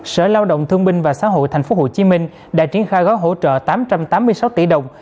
sở lao động thương binh và xã hội tp hcm đã triển khai gói hỗ trợ tám trăm tám mươi sáu tỷ đồng